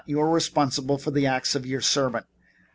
You are responsible for the acts of your servant.